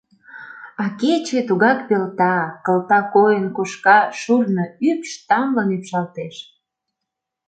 А кече тугак пелта, кылта койын кошка, шурно ӱпш тамлын ӱпшалтеш.